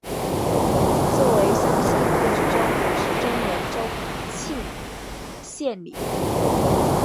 作为湘西自治州五十周年州庆献礼。